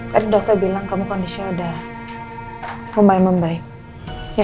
tadi dokter bilang kamu kondisinya udah lumayan membaik